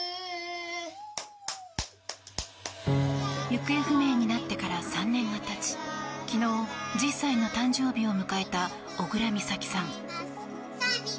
行方不明になってから３年が経ち昨日、１０歳の誕生日を迎えた小倉美咲さん。